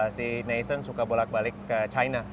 si nathan suka bolak balik ke china